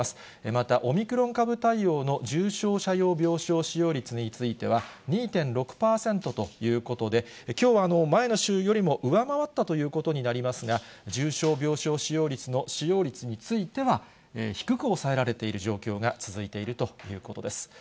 また、オミクロン株対応の重症者用病床使用率については、２．６％ということで、きょうは前の週よりも上回ったということになりますが、重症病床使用の使用率については、低く抑えられている状況が続いているということです。